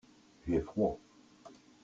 J'ai froid.